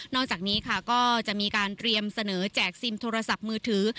อกจากนี้ค่ะก็จะมีการเตรียมเสนอแจกซิมโทรศัพท์มือถือ